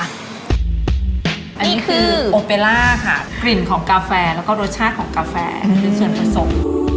อันนี้คือโอเปล่าค่ะกลิ่นของกาแฟแล้วก็รสชาติของกาแฟเป็นส่วนผสม